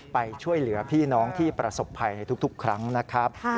ไปช่วยเหลือพี่น้องที่ประสบภัยในทุกครั้งนะครับ